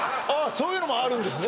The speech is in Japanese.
そういうのもあるんですね